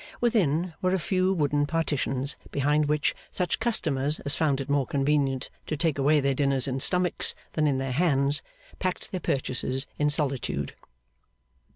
Within, were a few wooden partitions, behind which such customers as found it more convenient to take away their dinners in stomachs than in their hands, Packed their purchases in solitude.